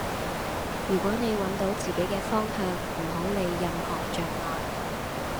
如果你搵到自己嘅方向,唔好理任何障礙